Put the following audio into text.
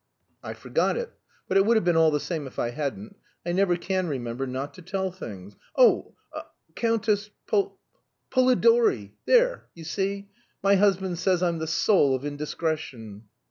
"I forgot it. But it would have been all the same if I hadn't. I never can remember not to tell things. Oh Countess Poli Polidori! There you see. My husband says I'm the soul of indiscretion."